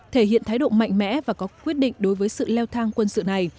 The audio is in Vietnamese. thể hiện thái độ mạnh mẽ và có quyết định đối với sự leo thang quân sự này